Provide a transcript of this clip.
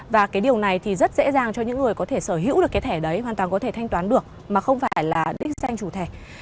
và cái điều này thì rất dễ dàng cho những người có thể sở hữu được cái thẻ đấy hoàn toàn có thể thanh toán được mà không phải là đích danh chủ thẻ